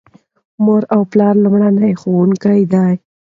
مور او پلار لومړني ښوونکي دي.